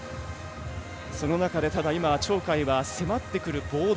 その中で鳥海は迫ってくるボード。